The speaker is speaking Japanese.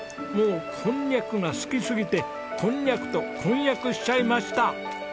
もうこんにゃくが好きすぎてこんにゃくと婚約しちゃいました。